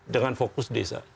dengan fokus desa